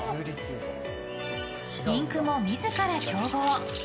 インクも自ら調合。